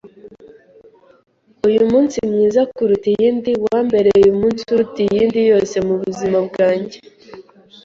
“Uyu ni umunsi mwiza kuruta iyindi, wambereye umunsi uruta iyindi yose mu buzima bwanjye